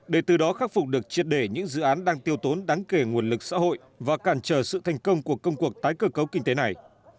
để từ đó khắc phục được triệt đề những dự án đang tiêu tốn đáng kể nguồn lực xã hội và cản trở sự thành công của công cuộc tái cơ cấu kinh tế này